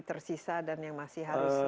tersisa dan yang masih harus